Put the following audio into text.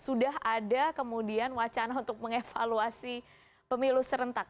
sudah ada kemudian wacana untuk mengevaluasi pemilu serentak